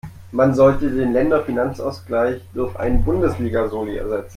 Man sollte den Länderfinanzausgleich durch einen Bundesliga-Soli ersetzen.